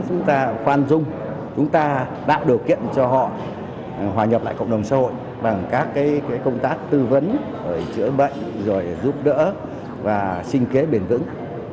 chúng ta khoan dung chúng ta tạo điều kiện cho họ hòa nhập lại cộng đồng xã hội bằng các công tác tư vấn rồi chữa bệnh rồi giúp đỡ và sinh kế bền vững